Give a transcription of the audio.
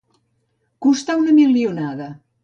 Costar una milionada.